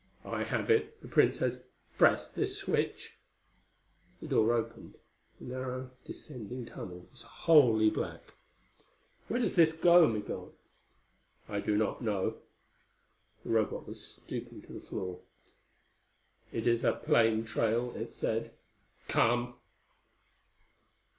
"I have it. The Princess pressed this switch." The door opened; the narrow descending tunnel was wholly black. "Where does this go, Migul?" "I do not know." The Robot was stooping to the floor. "It is a plain trail," it said. "Come."